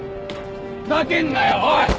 ふざけんなよおい！